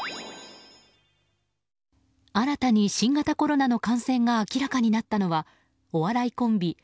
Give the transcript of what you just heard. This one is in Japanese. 新たに新型コロナの感染が明らかになったのはお笑いコンビ